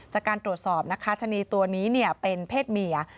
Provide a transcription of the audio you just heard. จากการตรวจสอบนะคะชะนีตัวนี้เป็นเพศเมีย